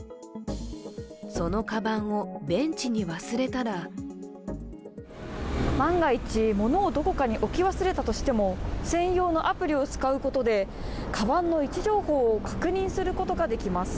そのかばんを、ベンチに忘れたら万が一、ものをどこかに置き忘れたとしても専用のアプリを使うことでかばんの位置情報を確認することができます。